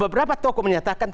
beberapa tokoh menyatakan